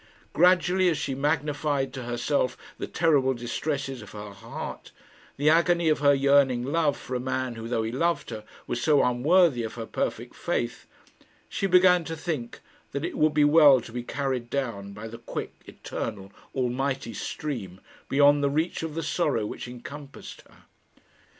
Gradually, as she magnified to herself the terrible distresses of her heart, the agony of her yearning love for a man who, though he loved her, was so unworthy of her perfect faith, she began to think that it would be well to be carried down by the quick, eternal, almighty stream beyond the reach of the sorrow which encompassed her.